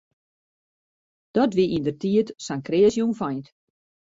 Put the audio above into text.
Dat wie yndertiid sa'n kreas jongfeint.